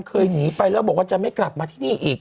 เคยหนีไปแล้วบอกว่าจะไม่กลับมาที่นี่อีก